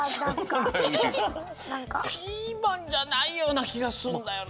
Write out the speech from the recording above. ピーマンじゃないようなきがすんだよな。